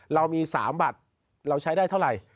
เรามี๓บัตรเราใช้ได้เท่าไหร่